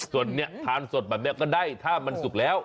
ส่วนเนี่ยทานสดแบบนี้ก็ได้ถ้ามันสุกแล้ว